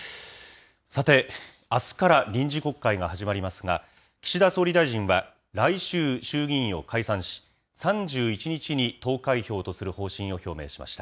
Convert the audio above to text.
さて、あすから臨時国会が始まりますが、岸田総理大臣は、来週、衆議院を解散し、３１日に投開票とする方針を表明しました。